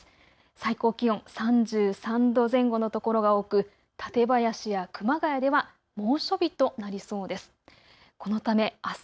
最高気温３３度前後の所が多く館林や熊谷では猛暑日となりそうです。